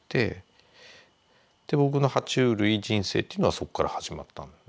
で僕のは虫類人生っていうのはそっから始まった。